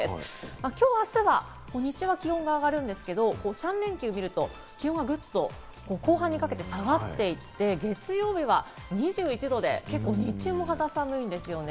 きょう、あすは日中の気温が上がるんですが、三連休を見ると気温がぐっと後半にかけて下がっていって、月曜日は２１度で、日中も肌寒いんですよね。